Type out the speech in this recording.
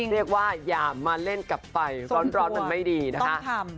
เรียกว่าอย่ามาเล่นกับไฟร้อนมันไม่ดีนะคะ